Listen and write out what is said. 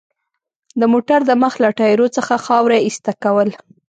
د موټر د مخ له ټایرونو څخه خاوره ایسته کول.